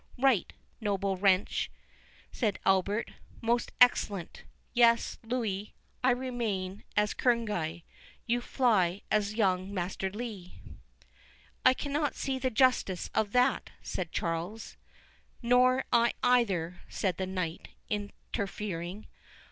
"Right, noble wench," said Albert; "most excellent—yes—Louis, I remain as Kerneguy, you fly as young Master Lee." "I cannot see the justice of that," said Charles. "Nor I neither," said the knight, interfering.